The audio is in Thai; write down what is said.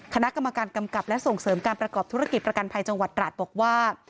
คณะกรรมการกำกับและส่งเสริมการประกอบธุรกิจประกันภัยจังหวัดตราดบอกว่า